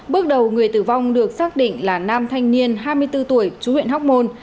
bước đầu người tử vong được xác định là nam thanh niên hai mươi bốn tuổi chú huyện hóc môn